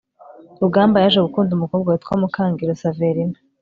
rugamba yaje gukunda umukobwa witwa mukangiro saverina